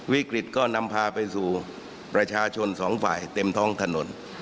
วิกฤตก็นำพาไปสู่ประชาชนสองฝ่ายเต็มท้องถนน